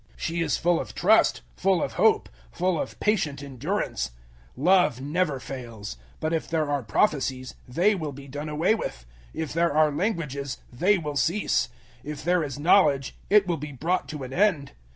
She is full of trust, full of hope, full of patient endurance. 013:008 Love never fails. But if there are prophecies, they will be done away with; if there are languages, they will cease; if there is knowledge, it will be brought to an end.